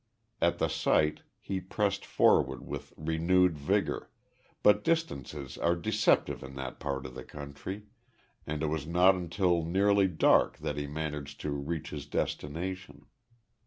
At the sight he pressed forward with renewed vigor, but distances are deceptive in that part of the country and it was not until nearly dark that he managed to reach his destination.